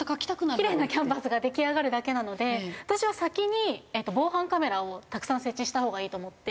キレイなキャンバスが出来上がるだけなので私は先に防犯カメラをたくさん設置したほうがいいと思って。